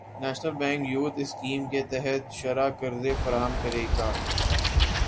national Bank youth scheme کے تحت شرعی قرضے فراہم کرے گا